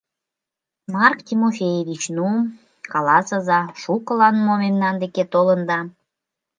— Марк Тимофеевич, ну, каласыза, шукылан мо мемнан деке толында?